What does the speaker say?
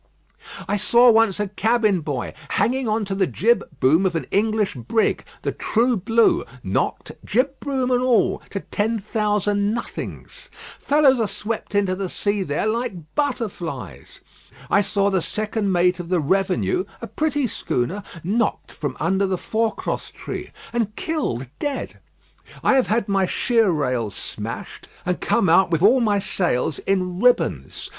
I saw once a cabin boy hanging on to the jibboom of an English brig, the True Blue, knocked, jibboom and all, to ten thousand nothings. Fellows are swept into the air there like butterflies. I saw the second mate of the Revenue, a pretty schooner, knocked from under the forecross tree, and killed dead. I have had my sheer rails smashed, and come out with all my sails in ribbons.